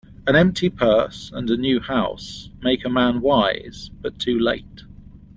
An empty purse, and a new house, make a man wise, but too late.